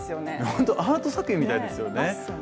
ホントアート作品みたいですよね。